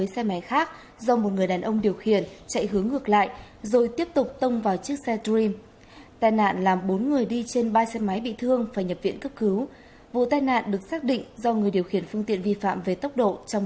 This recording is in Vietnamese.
xe khách bốn mươi năm chỗ ngồi tiếp tục va vào giải phân cách trên quốc lộ một a gây hư hỏng nặng